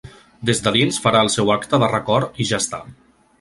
Des de dins farà el seu acte de record i ja està.